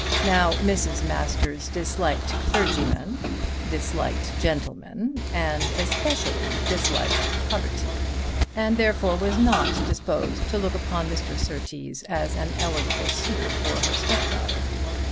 Now Mrs. Masters disliked clergymen, disliked gentlemen, and especially disliked poverty; and therefore was not disposed to look upon Mr. Surtees as an eligible suitor for her stepdaughter.